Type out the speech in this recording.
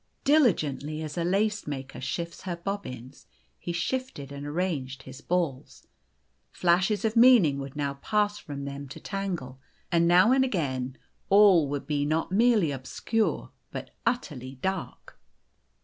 Diligently as a lace maker shifts her bobbins, he shifted and arranged his balls. Flashes of meaning would now pass from them to Tangle, and now again all would be not merely ob O o ^ scure, but utterly dark.